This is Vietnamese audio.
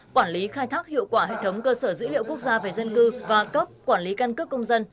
quản lý khai thác hiệu quả hệ thống cơ sở dữ liệu quốc gia về dân cư và cấp quản lý căn cước công dân